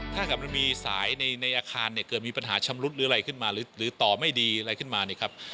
ถ้ามีสายในอาคารเกิดมีปัญหาชำรุดหรืออะไรขึ้นมาหรือต่อไม่ดีอะไรขึ้นมา